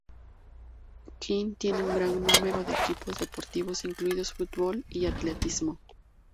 King tiene un gran número de equipos deportivos incluidos fútbol y atletismo.